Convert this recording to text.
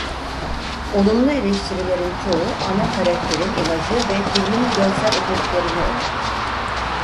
Olumlu eleştirilerin çoğu ana karakterin imajı ve filmin görsel efektlerini övdü.